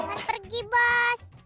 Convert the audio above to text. jangan pergi bos